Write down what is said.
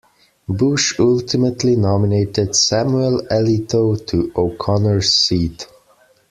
Bush ultimately nominated Samuel Alito to O'Connor's seat.